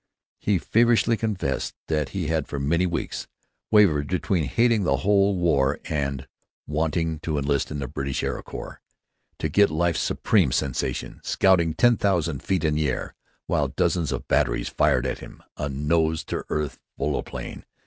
He feverishly confessed that he had for many weeks wavered between hating the whole war and wanting to enlist in the British Aero Corps, to get life's supreme sensation—scouting ten thousand feet in air, while dozens of batteries fired at him; a nose to earth volplane.